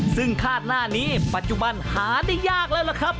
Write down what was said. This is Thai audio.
ซึ่งคาดหน้านี้ปัจจุบันหาได้ยากแล้วล่ะครับ